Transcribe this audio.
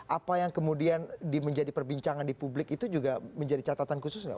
apa yang kemudian menjadi perbincangan di publik itu juga menjadi catatan khusus nggak